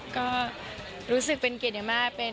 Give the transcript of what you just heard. ก็รู้สึกเป็นเกียรติอย่างมาก